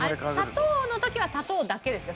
砂糖の時は砂糖だけですか？